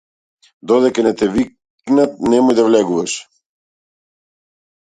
Додека не те викнат немој да влегуваш.